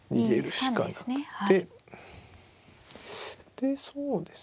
でそうですね